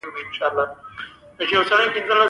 وخت پېژندونکي او زغموونکي یې جوړوي.